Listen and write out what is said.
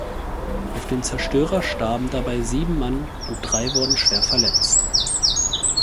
Auf dem Zerstörer starben dabei sieben Mann und drei wurden schwer verletzt.